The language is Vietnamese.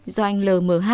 do anh l m h